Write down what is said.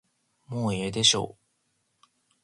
もうええでしょう。